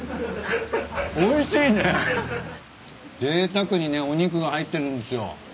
ぜいたくにねお肉が入ってるんですよ。